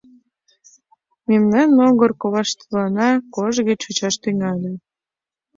Мемнан могыр коваштыланна кожге чучаш тӱҥале.